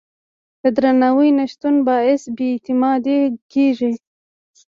د درناوي نه شتون باعث بې اعتمادي کېږي.